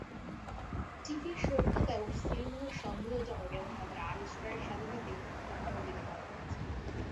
চিঠির সত্যতা এবং সীলমোহর সন্দেহজনক এবং তাদের আবিষ্কারের সাথে সাথেই প্রতিদ্বন্দ্বিতা করা হয়েছে।